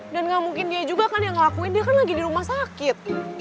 dan gak mungkin dia juga kan yang ngelakuin dia kan lagi di rumah sakit